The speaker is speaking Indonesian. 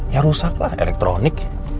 ya rusak lah elektronik